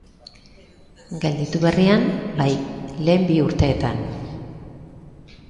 Gelditu berrian, bai, lehen bi urteetan.